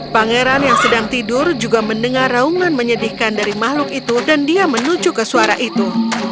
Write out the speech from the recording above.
pangeran yang sedang tidur juga mendengar raungan menyedihkan dari makhluk itu dan dia menuju ke suara itu